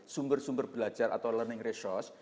sumber sumber belajar atau learning resource